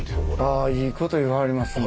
あいいこと言わはりますね。